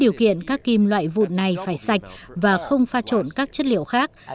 điều kiện các kim loại vụt này phải sạch và không pha trộn các chất liệu khác